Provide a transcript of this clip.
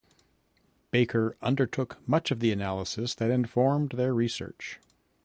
Baker undertook much of the analysis that informed their research.